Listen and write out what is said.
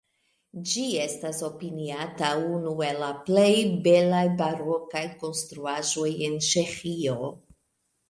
Ĝi estas opiniata unu el la plej belaj barokaj konstruaĵoj en Ĉeĥio.